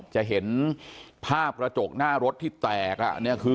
จะเห็นภาพกระจกหน้ารถที่แตก